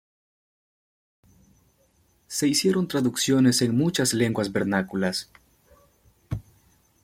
Se hicieron traducciones en muchas lenguas vernáculas.